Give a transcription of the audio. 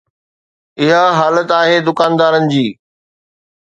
اها حالت آهي دڪاندارن جي.